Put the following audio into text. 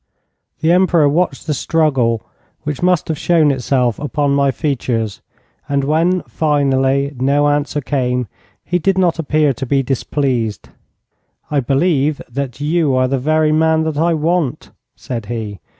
The Emperor watched the struggle which must have shown itself upon my features, and when, finally, no answer came he did not appear to be displeased. 'I believe that you are the very man that I want,' said he.